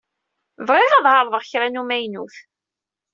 Bɣiɣ ad ɛeṛḍeɣ kra n umaynut.